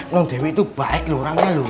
non dewi tuh baik loh orangnya loh ya